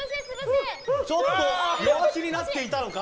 ちょっと弱気になっていたのか。